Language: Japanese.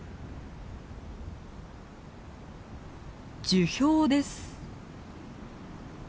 樹氷です。